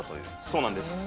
そうなんです。